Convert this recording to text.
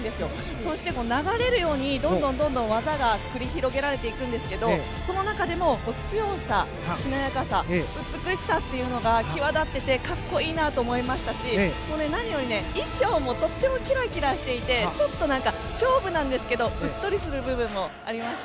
そして流れるようにどんどんどんどん技が繰り広げられていくんですけどその中でも強さ、しなやかさ美しさというのが際立ってて格好いいなと思いましたし何よりね、衣装もとってもキラキラしていて勝負なんですけどうっとりする部分もありました。